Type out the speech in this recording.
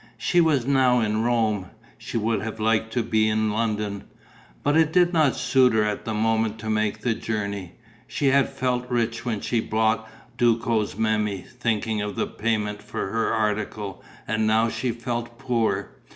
She was now in Rome: she would have liked to be in London. But it did not suit her at the moment to make the journey. She had felt rich when she bought Duco's Memmi, thinking of the payment for her article; and now she felt poor.